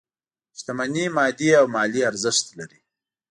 شتمني مادي او مالي ارزښت لري.